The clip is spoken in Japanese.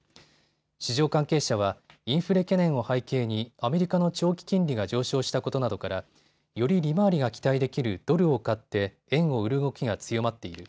市場関係者はインフレ懸念を背景にアメリカの長期金利が上昇したことなどからより利回りが期待できるドルを買って円を売る動きが強まっている。